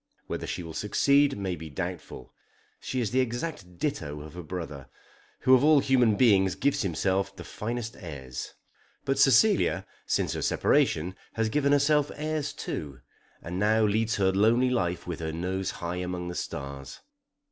Whether she will succeed may be doubtful. She is the exact ditto of her brother, who of all human beings gives himself the finest airs. But Cecilia since her separation has given herself airs too, and now leads her lonely life with her nose high among the stars.